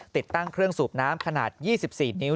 ติดตั้งเครื่องสูบน้ำขนาด๒๔นิ้ว